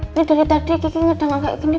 ini dari tadi kiki ngedengar kayak gini